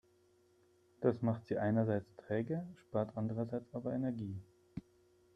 Das macht sie einerseits träge, spart andererseits aber Energie.